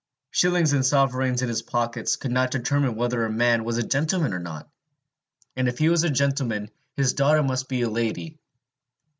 Shillings and sovereigns in his pocket could not determine whether a man was a gentleman or not! And if he was a gentleman, his daughter must be a lady.